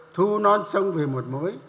thu non sông về một mũi